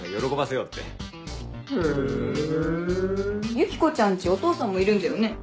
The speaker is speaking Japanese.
ユキコちゃん家お父さんもいるんだよね？